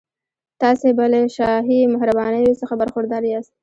تاسي به له شاهي مهربانیو څخه برخوردار یاست.